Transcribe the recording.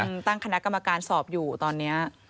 ตั้งคณะกรรมการสอบอยู่ตอนนี้